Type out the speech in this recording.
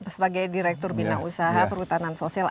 sebagai direktur bina usaha perhutanan sosial